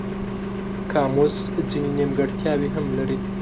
قاموس ځینې نیمګړتیاوې هم لري.